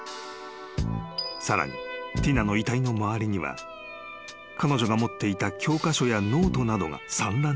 ［さらにティナの遺体の周りには彼女が持っていた教科書やノートなどが散乱していた］